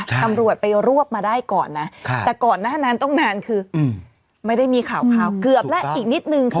ตำรวจไปรวบมาได้ก่อนนะแต่ก่อนหน้านั้นต้องนานคือไม่ได้มีข่าวเกือบแล้วอีกนิดนึงค่ะ